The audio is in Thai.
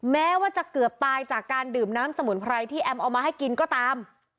แม้ว่าจะเกือบตายจากการดื่มน้ำสมุนไพรที่แอมเอามาให้กินก็ตาม